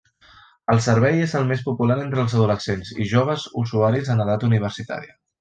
El servei és el més popular entre els adolescents i joves usuaris en edat universitària.